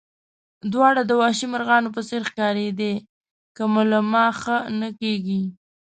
دواړه د وحشي مرغانو په څېر ښکارېدې، که مو له ما ښه نه کېږي.